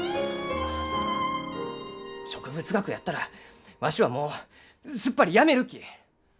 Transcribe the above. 植物学やったらわしはもうすっぱりやめるき！